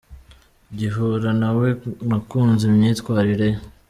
Ngihura na we, nakunze imyitwarire ye.